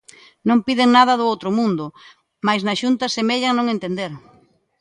Non piden nada do outro mundo, mais na Xunta semellan non entender.